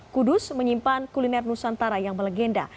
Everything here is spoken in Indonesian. kudus menyimpan kuliner nusantara yang melegenda